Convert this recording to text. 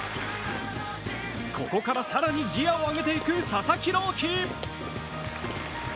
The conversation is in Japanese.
ここから更にギアを上げていく佐々木朗希。